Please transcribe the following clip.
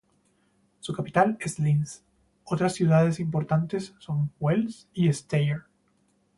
Su capital es Linz; otras ciudades importantes son Wels y Steyr.